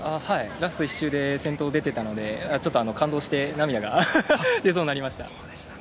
ラスト１周で先頭に出ていたので感動して涙が出そうになりました。